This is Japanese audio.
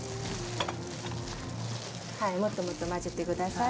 もっともっと混ぜてください